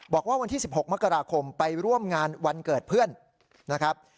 บอกว่าวันที่๑๖มกราคมไปร่วมงานวันเกิดเพื่อนนะครับ